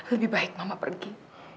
lebih baik mama pergi